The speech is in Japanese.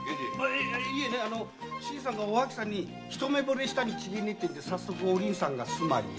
いえね新さんがおあきさんに一目惚れしたに違いねえって早速お凛さんが住まいを。